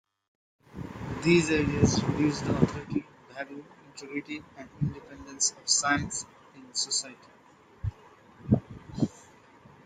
These ideas reduce the authority, value, integrity and independence of science in society.